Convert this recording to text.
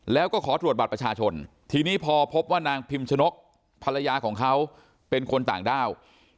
แล้วก็ขอตรวจบัตรประชาชนทีนี้พอพบว่านางพิมชนกภรรยาของเขาเป็นคนต่างด้าว